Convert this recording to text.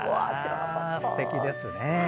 すてきですね。